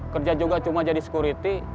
kerja juga cuma jadi security